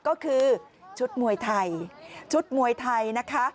ก็คือชุดมวยไทยชุดมวยไทยนะคะ